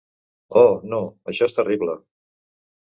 Oh, no, això és terrible!